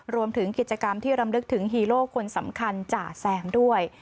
รวมถึงกิจกรรมที่รำลึกถึงฮีโร่คนสำคัญจ่าแซมด้วย